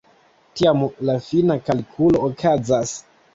Tiam la fina kalkulo okazas.